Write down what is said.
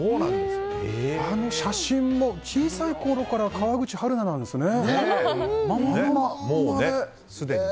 あの写真も、小さいころから川口春奈なんですね。